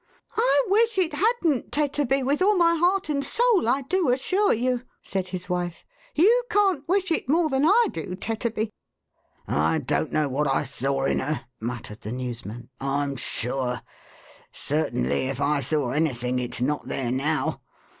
"I wish it hadn't, Tetterby, with all my heart and soul I do assure you," said his wife. "You can't wish it more that. I do, Tetterby." " I don't know what I saw in her," muttered the newsman, 4i I'm sure :— certainly, if I saw anything, it's not there now.